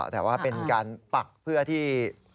แต่ว่าเป็นการปักเพื่อที่